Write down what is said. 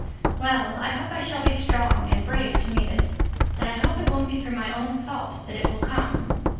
Well, I hope I shall be strong and brave to meet it. And I hope it won't be through my own fault that it will come.